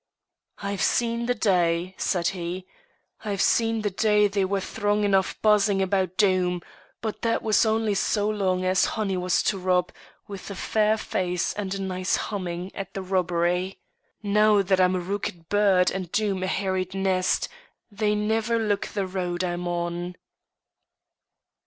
"I've seen the day," said he "I've seen the day they were throng enough buzzing about Doom, but that was only so long as honey was to rob with a fair face and a nice humming at the robbery. Now that I'm a rooked bird and Doom a herried nest, they never look the road I'm on."